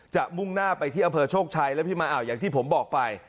มุ่งหน้าไปที่อำเภอโชคชัยแล้วพี่มาอ่าวอย่างที่ผมบอกไป